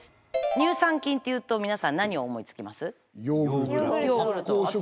乳酸菌っていうと皆さん何を思いつきます？